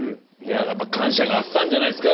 やっぱ感謝があったんじゃないですか。